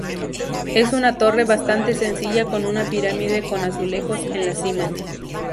Es una torre bastante sencilla con una pirámide con azulejos en la cima.